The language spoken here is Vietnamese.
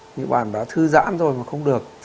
nếu bạn đã thư giãn rồi mà không được